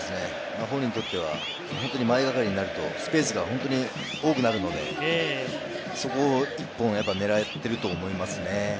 ホニにとっては前がかりになるとスペースが多くなるので、そこを一本、狙っていると思いますね。